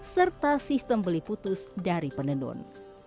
serta sistem beli putus dari penenun